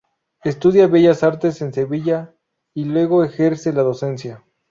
Estudia Bellas Artes en Sevilla y luego ejerce la docencia.